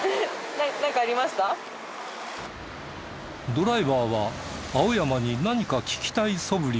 ドライバーは青山に何か聞きたいそぶりを見せた。